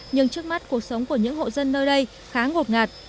nhưng trước mắt cuộc sống của những hộ dân nơi đây khá ngột ngạt